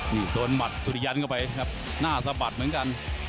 นี่โดนหมัดสุริยันเข้าไปครับหน้าสะบัดเหมือนกัน